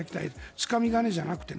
つかみ金じゃなくて。